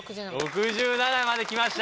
６７まで来ました！